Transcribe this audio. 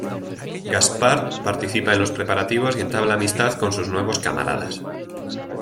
Gaspard participa en los preparativos y entabla amistad con sus nuevos camaradas.